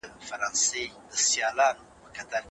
په څېړنه کي د ژبې او سیمي پر بنسټ توپیر کول منع دي.